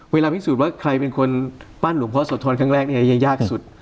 เวลาพิสูจน์ว่าใครเป็นคนปั้นหลวงพ่อโสธรครั้งแรกเนี่ยยังยากสุด